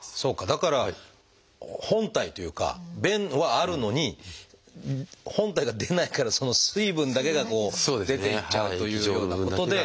だから本体というか便はあるのに本体が出ないからその水分だけがこう出て行っちゃうということで。